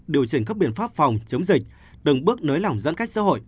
điều chỉnh các biện pháp phòng chống dịch từng bước nới lỏng giãn cách xã hội